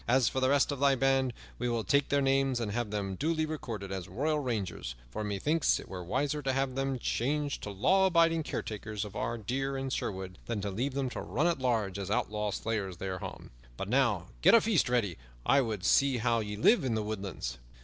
As for the rest of thy band, we will take their names and have them duly recorded as royal rangers; for methinks it were wiser to have them changed to law abiding caretakers of our deer in Sherwood than to leave them to run at large as outlawed slayers thereof. But now get a feast ready; I would see how ye live in the woodlands."